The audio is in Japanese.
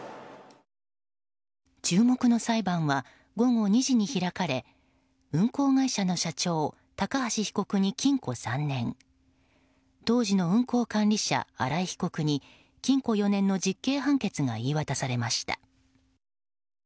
注目の裁判は、午後２時に開かれ運行会社の社長高橋被告に禁錮３年当時の運行管理者荒井被告に禁錮４年の実刑判決が言い渡されました。